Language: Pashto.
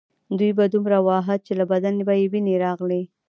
دوی به دومره واهه چې له بدن به یې وینې راغلې